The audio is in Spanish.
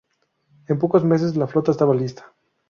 En pocos meses la flota estaba lista.